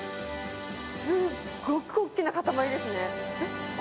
すごく大きな塊ですね。